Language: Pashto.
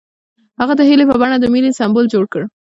هغه د هیلې په بڼه د مینې سمبول جوړ کړ.